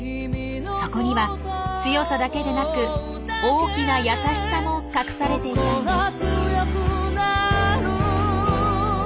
そこには強さだけでなく大きな優しさも隠されていたんです。